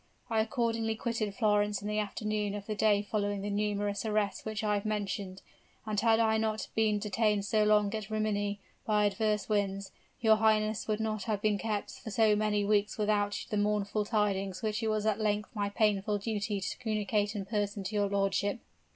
I accordingly quitted Florence in the afternoon of the day following the numerous arrests which I have mentioned; and had I not been detained so long at Rimini, by adverse winds, your highness would not have been kept for so many weeks without the mournful tidings which it was at length my painful duty to communicate in person to your lordship."